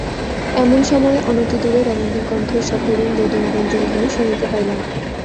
এমনসময়ে অনতিদূরে রমণীকণ্ঠের সকরুণ রোদনগুঞ্জনধ্বনি শুনিতে পাইলাম।